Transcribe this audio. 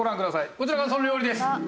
こちらがその料理です。